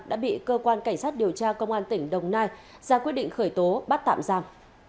đã bị cơ quan cảnh sát điều tra công an tỉnh đồng nai ra quyết định khởi tố bắt tạm giam